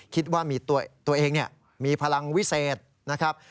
คิดว่ามีตัวเองมีพลังวิเศษนะครับ